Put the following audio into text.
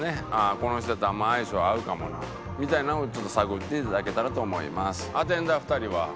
この人やったら相性合うかもなみたいなのをちょっと探っていただけたらと思います。